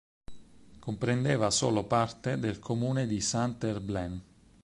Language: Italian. Comprendeva solo parte del comune di Saint-Herblain.